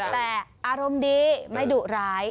แต่อารมณ์ดีไม่ดุร้าย